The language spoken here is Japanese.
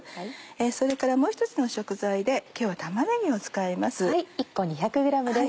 それからもう１つの食材で今日は玉ねぎを使います。